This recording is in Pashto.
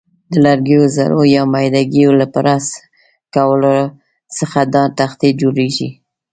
د لرګیو ذرو یا میده ګیو له پرس کولو څخه دا تختې جوړیږي.